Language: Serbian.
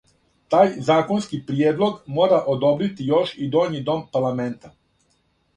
Тај законски приједлог мора одобрити још и доњи дом парламента.